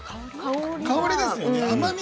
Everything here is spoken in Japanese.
香りですよね。